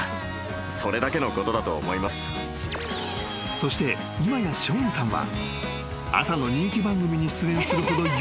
［そして今やショーンさんは］